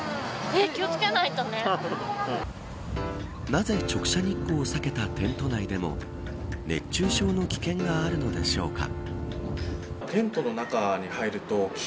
なぜ、直射日光を避けたテント内でも熱中症の危険があるのでしょうか。